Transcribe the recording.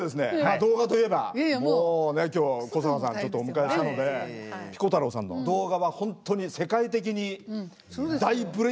動画といえばもうね今日は古坂さんちょっとお迎えしたのでピコ太郎さんの動画はホントに世界的に大ブレークを果たしまして。